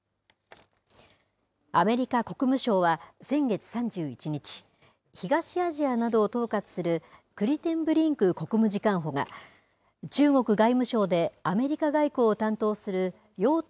アメリカ国務省は先月３１日、東アジアなどを統括するクリテンブリンク国務次官補が、中国外務省でアメリカ外交を担当する楊涛